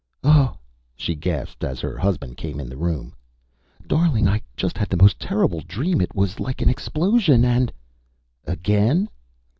"Oh!" she gasped, as her husband came in the room. "Darling, I just had the most terrible dream! It was like an explosion and " "Again?"